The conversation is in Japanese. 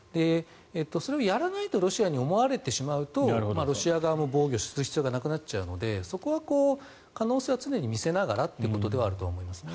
それをやらないとロシアに思われてしまうとロシア側も防御する必要がなくなっちゃうのでそこは可能性は常に見せながらということではあると思います。